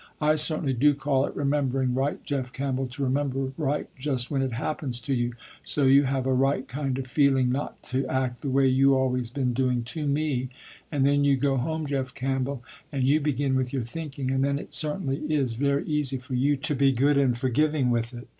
I certainly do call it remembering right Jeff Campbell, to remember right just when it happens to you, so you have a right kind of feeling not to act the way you always been doing to me, and then you go home Jeff Campbell, and you begin with your thinking, and then it certainly is very easy for you to be good and forgiving with it.